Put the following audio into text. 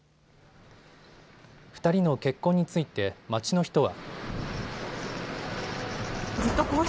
２人の結婚について街の人は。